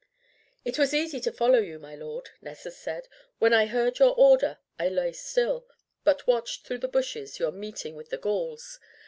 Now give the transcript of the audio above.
"It was easy to follow you, my lord," Nessus said. "When I heard your order I lay still, but watched through the bushes your meeting with the Gauls.